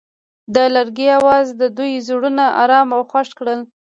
د لرګی اواز د دوی زړونه ارامه او خوښ کړل.